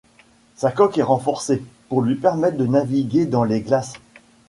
Sa coque est renforcée, pour lui permettre de naviguer dans les glaces.